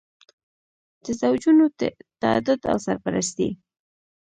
د زوجونو تعدد او سرپرستي.